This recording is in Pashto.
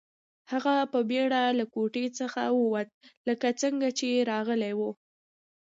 هغه په بیړه له کوټې څخه ووت لکه څنګه چې راغلی و